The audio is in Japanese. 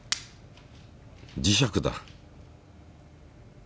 磁石だ。